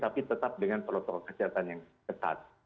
tapi tetap dengan protokol kesehatan yang ketat